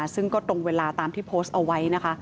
ซึ่งก็ตรงเวลาตามที่โพสต์เอาไว้นะคะ